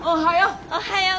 おはよう。